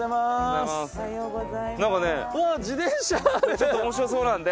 ちょっとおもしろそうなんで。